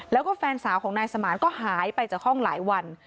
แล้วก็แฟนสาวของนายสมานก็หายไปจากห้องหลายวัน